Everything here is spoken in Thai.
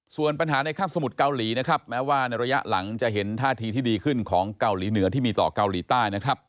ส่วนปัญหาในข้ามสมุทรเกาหลีนะครับแม้ว่าในระยะหลังจะเห็นท่าทีที่ดีขึ้นของเกาหลีเหนือที่มีต่อเกาหลีใต้นะครับ